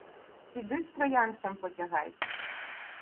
Іди з троянцем потягайсь!